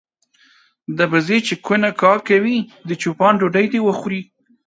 د بزې چې کونه کا کوي د چو پان ډوډۍ دي وخوري.